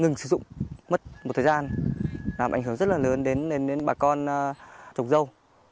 ngừng sử dụng mất một thời gian làm ảnh hưởng rất là lớn đến bà con trồng dâu